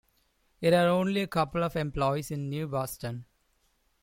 It had only a couple of employees in New Boston.